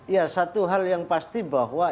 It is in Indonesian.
ya satu hal yang pasti bahwa